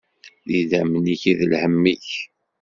D idammen-ik, i lhemm-ik.